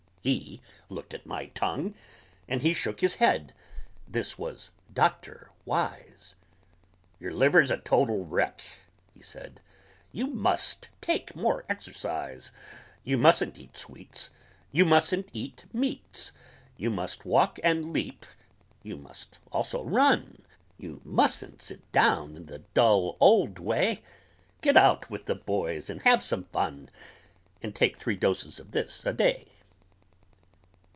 He looked at my tongue, and he shook his head This was Doctor Wise "Your liver's a total wreck," he said, "You must take more exercise! You mustn't eat sweets. You mustn't eat meats, You must walk and leap, you must also run; You mustn't sit down in the dull old way; Get out with the boys and have some fun And take three doses of this a day!"